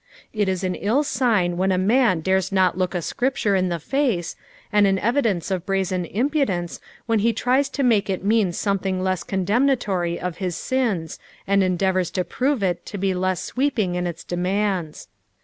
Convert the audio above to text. It is nn ill sign when a man dares not look a Scripture in the face, and an evidence of brazen impudence when he tries to make it mean something less coodemnatory of his sins, and endeavours to prove it to be less sweeping in its demands.